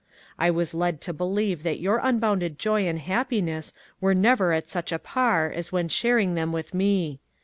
"I was led to believe that your unbounded joy and happiness were never at such a par as when sharing them with me.